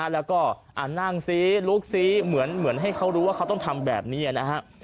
แล้วก็นั่งซีลุกซิเหมือนให้เขารู้ว่าเขาต้องทำแบบนี้นะฮะ